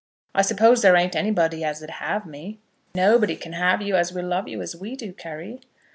I suppose there ain't anybody as 'd have me?" "Nobody can have you as will love you as we do, Carry."